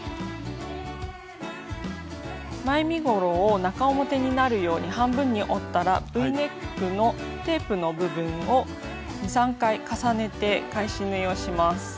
前身ごろを中表になるように半分に折ったらＶネックのテープの部分を２３回重ねて返し縫いをします。